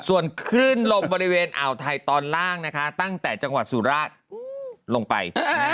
ส่วนคลื่นลมบริเวณอ่าวไทยตอนล่างนะคะตั้งแต่จังหวัดสุราชลงไป